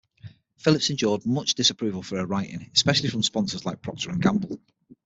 Phillips endured much disapproval for her writing, especially from sponsors like Procter and Gamble.